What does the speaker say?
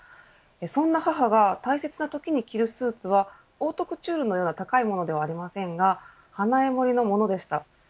そんな母が大切なときに着るスーツはオートクチュールのような高いものではありませんがハナエモリのものでした。